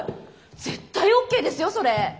絶対ＯＫですよそれ。